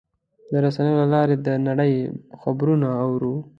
د رسنیو له لارې د نړۍ خبرونه اورو.